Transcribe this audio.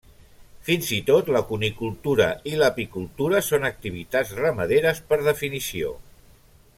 Fins i tot la cunicultura i l'apicultura són activitats ramaderes per definició.